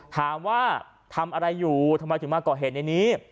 ถามว่าทำอะไรอยู่ทำไมถึงมาก่อเหตุในนี้